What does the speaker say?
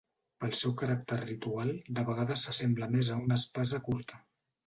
Pel seu caràcter ritual de vegades s'assembla més a una espasa curta.